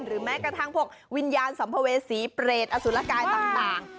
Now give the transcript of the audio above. แม้กระทั่งพวกวิญญาณสัมภเวษีเปรตอสุรกายต่าง